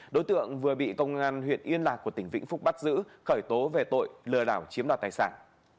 đối tượng vừa bị công an huyện yên lạc của tỉnh vĩnh phúc bắt giữ khởi tố về tội lừa đảo chiếm đoạt tài sản